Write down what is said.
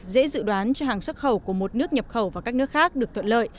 dễ dự đoán cho hàng xuất khẩu của một nước nhập khẩu vào các nước khác được thuận lợi